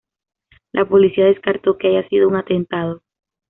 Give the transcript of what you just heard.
La Policía descartó que haya sido un atentado.